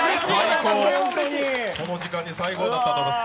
この時間に最高だったと思います。